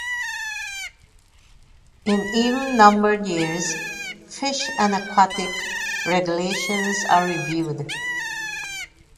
In even-numbered years, fish and aquatic regulations are reviewed.